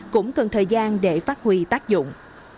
cũng cần thời gian để phát huy tác dụng